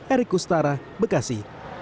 erik kustara bekasi